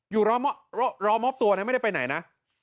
รอมอบตัวนะไม่ได้ไปไหนนะ